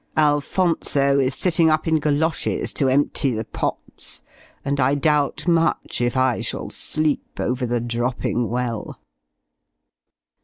Alphonso is sitting up in goloshes to empty the pots, and I doubt much if I shall sleep over the dropping well."